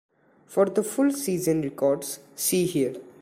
For the full season records, see here.